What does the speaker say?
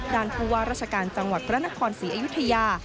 ด่านพูดว่าราชการจังหวัดพระนครศรีอายุทยา